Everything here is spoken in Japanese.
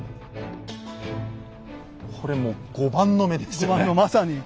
これもう碁盤の目ですね。